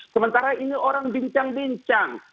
sementara ini orang bincang bincang